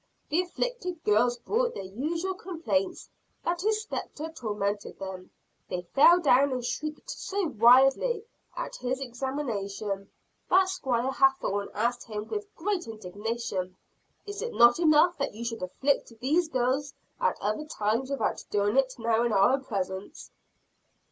The "afflicted girls" brought their usual complaints that his spectre tormented them. They fell down and shrieked so wildly at his examination, that Squire Hathorne asked him with great indignation, "Is it not enough that you should afflict these girls at other times without doing it now in our presence?"